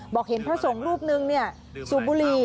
เห็นพระสงฆ์รูปนึงสูบบุหรี่